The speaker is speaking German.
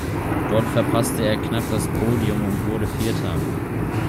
Dort verpasste er knapp das Podium und wurde Vierter.